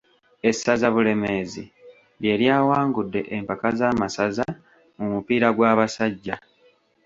Essaza Bulemeezi lye lyawangudde empaka z'amasaza mu mupiira gw'abasajja.